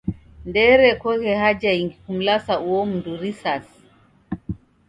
Ndeerekoghe haja ingi kumlasa uo mndu risasi.